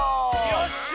よっしゃ！